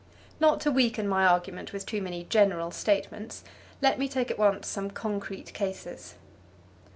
Not to weaken my argument with too many general statements, let me take at once some concrete cases.